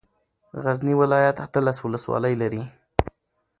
غزني ولايت اتلس ولسوالۍ لري.